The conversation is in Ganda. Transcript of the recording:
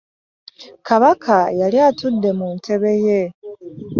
Kabaka yali atudde mu ntebe ye.